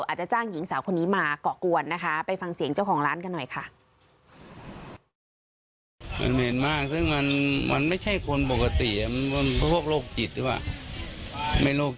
อาจจะจ้างหญิงสาวคนนี้มาเกาะกวนนะคะไปฟังเสียงเจ้าของร้านกันหน่อยค่ะ